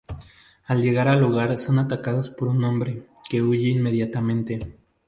Al llegar al lugar son atacados por un hombre, que huye inmediatamente.